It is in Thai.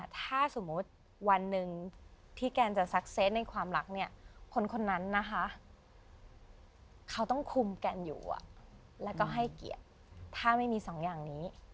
ถ้าไม่มี๒อย่างนี้ไม่ใช่